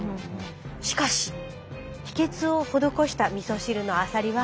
しかし秘けつを施したみそ汁のアサリは。